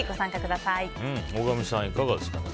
大神さん、いかがですか。